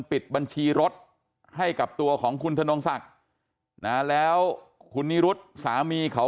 ปิดบัญชีรถให้กับตัวของคุณธนงศักดิ์นะแล้วคุณนิรุธสามีเขา